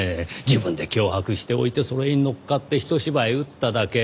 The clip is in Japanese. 自分で脅迫しておいてそれにのっかって一芝居打っただけ。